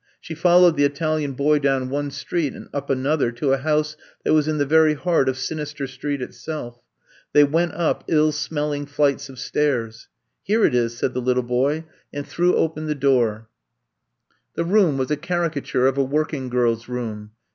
She followed the Italian boy down one street and up another to a house that was in the very heart of Sinister Street itself. They went up ill smelling flights of stairs. ''Here it is,'* said the little boy, and threw open the door. I'VE COMB TO STAY 151 The room was a caricature of a working girPs room.